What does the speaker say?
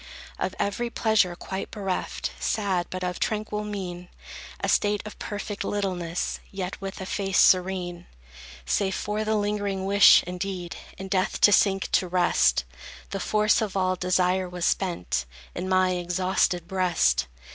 Of every pleasure quite bereft, Sad but of tranquil mien; A state of perfect littleness, Yet with a face serene; Save for the lingering wish, indeed, In death to sink to rest, The force of all desire was spent In my exhausted breast.